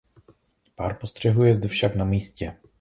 Pár postřehů je zde však na místě.